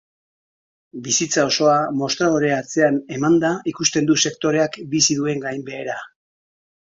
Bizitza osoa mostradore atzean emanda ikusten du sektoreak bizi duen gainbehera.